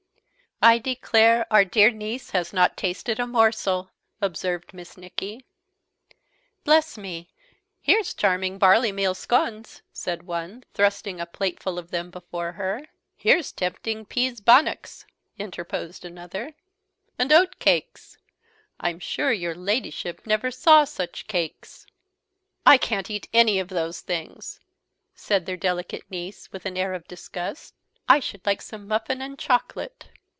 "I declare our dear niece has not tasted a morsel," observed Miss Nicky. "Bless me, here's charming barley meal scones," cried one, thrusting a plateful of them before her. "Here's tempting pease bannocks," interposed another, "and oat cakes. I'm sure your Ladyship never saw such cakes." "I can't eat any of those things," said their delicate niece, with an air of disgust. "I should like some muffin and chocolate."